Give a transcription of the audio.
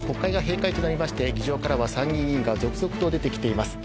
国会が閉会となりまして、議場からは参議院議員が続々と出てきています。